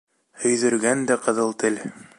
Һөйҙөргән дә ҡыҙыл тел